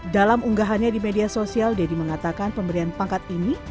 dalam unggahannya di media sosial deddy mengatakan pemberian pangkat ini